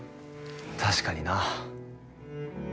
確かにな。